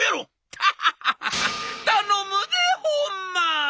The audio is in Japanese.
ダハハハ頼むでほんま！」。